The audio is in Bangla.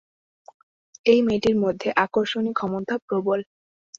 এই মেয়েটির মধ্যে আকর্ষণী-ক্ষমতা প্রবল।